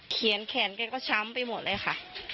แขนแขนแกก็ช้ำไปหมดเลยค่ะ